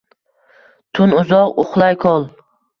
Tun uzoq, uxlay kol